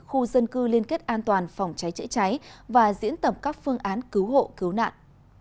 khu dân cư liên kết an toàn phòng cháy chữa cháy và diễn tập các phương án cứu hộ cứu nạn